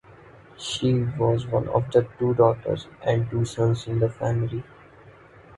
She was one of two daughters and two sons in the family.